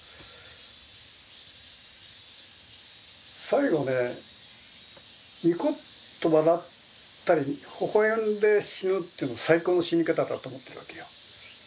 最期ねニコッと笑ったりほほ笑んで死ぬっていうの最高の死に方だと思ってるわけよ。